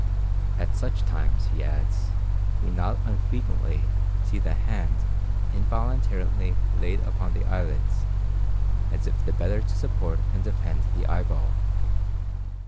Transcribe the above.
At such times, he adds, we not unfrequently see the hand involuntarily laid upon the eyelids, as if the better to support and defend the eyeball.